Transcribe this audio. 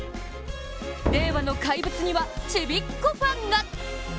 令和の怪物には、ちびっこファンが！